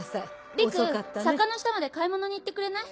陸坂の下まで買い物に行ってくれない？